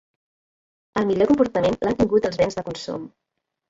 El millor comportament l’han tingut els béns de consum.